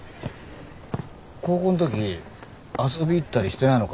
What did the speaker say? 高校んとき遊び行ったりしてないのか？